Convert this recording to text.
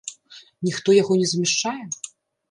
Ніхто яго не замяшчае?